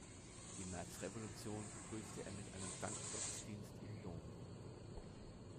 Die Märzrevolution begrüßte er mit einem Dankgottesdienst im Dom.